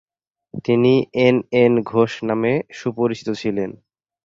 তিনি N N Ghosh নামে সুপরিচিত ছিলেন।